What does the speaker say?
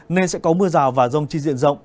nên sẽ có mưa rào và rông trên diện rộng